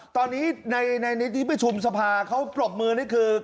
ตอนนี้ในที่ประชุมสภาเขาปรบมือนี่คือ